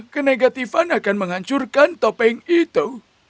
kenegatifan akan menghancurkan topeng itu